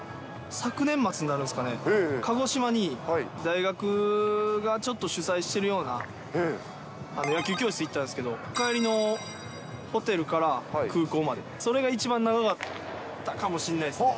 昨年末になるんですかね、鹿児島に大学がちょっと主催しているような野球教室に行ったんですけど、帰りのホテルから空港まで、それが一番長かったかもしんないですね。